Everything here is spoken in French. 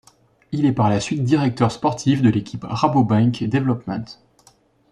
Il est par la suite directeur sportif de l'équipe Rabobank Development.